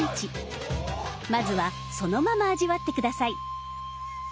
まずはそのまま味わって下さい。